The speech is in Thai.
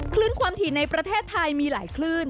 คลื่นความถี่ในประเทศไทยมีหลายคลื่น